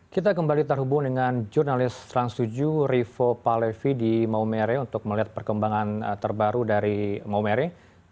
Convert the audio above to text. kita kembali terhubung dengan jurnalis trans tujuh rivo palevi di maumere untuk melihat perkembangan terbaru dari maumere